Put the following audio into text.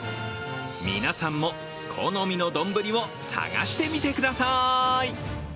皆さんも、好みの丼を探してみてください。